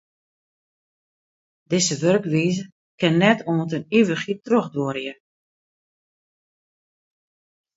Dizze wurkwize kin net oant yn ivichheid trochduorje.